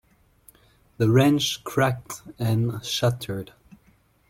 The wrench cracked and shattered.